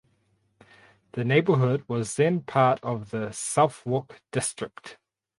The neighborhood was then part of the Southwark district.